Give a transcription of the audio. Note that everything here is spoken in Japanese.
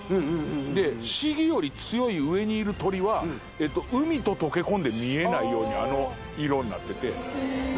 でシギより強い上にいる鳥は海と溶け込んで見えないようにあの色になってて。